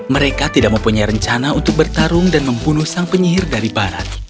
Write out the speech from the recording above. mereka tidak mempunyai rencana untuk bertarung dan membunuh sang penyihir dari barat